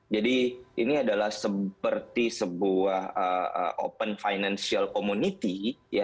jadi ini adalah seperti sebuah open financial community